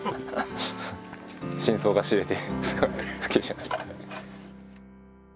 真相が知れてすごいすっきりしました。